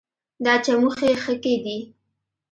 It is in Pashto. دا چموښي ښکي دي